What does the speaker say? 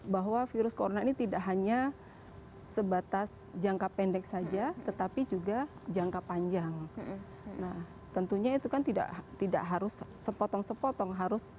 bahwa virus corona ini tidak hanya sebatas jangka pendek saja tetapi juga jangka panjang